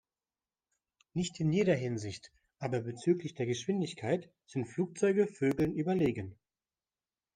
Nicht in jeder Hinsicht, aber bezüglich der Geschwindigkeit sind Flugzeuge Vögeln überlegen.